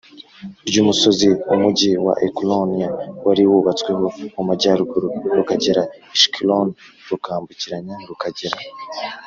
Ry umusozi umugi wa ekuronie wari wubatsweho mu majyaruguru rukagera i shikeroni rukambukiranya rukagera